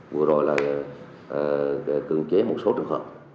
vừa rồi là cường chế một số trường hợp